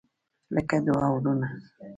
لکه دوه ورونه.